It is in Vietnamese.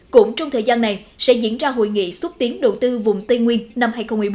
cũng trong thời gian này sẽ diễn ra hội nghị xúc tiến đầu tư vùng tây nguyên năm hai nghìn một mươi bốn